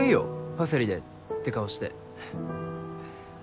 パセリでって顔してははっ。